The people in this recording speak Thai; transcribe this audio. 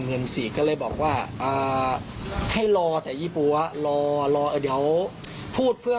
เงินสี่ก็เลยบอกว่าให้รอแต่ยี่ปั๊วรอรอเดี๋ยวพูดเพื่อ